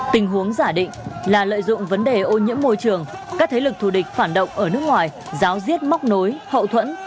tình huống giả định là lợi dụng vấn đề ô nhiễm môi trường các thế lực thù địch phản động ở nước ngoài giáo diết móc nối hậu thuẫn